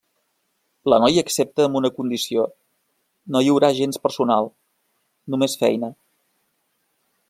La noia accepta amb una condició: no hi haurà gens personal, només feina.